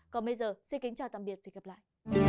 còn bây giờ xin kính chào tạm biệt và hẹn gặp lại